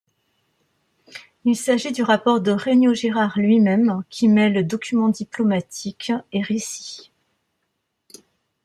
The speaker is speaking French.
Il s’agit du rapport de Regnault Girard lui-même, qui mêle documents diplomatiques et récit.